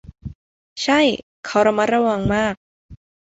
ใช่ เขาระมัดระวังมาก